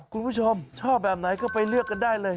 คุณผู้ชมชอบแบบไหนก็ไปเลือกกันได้เลย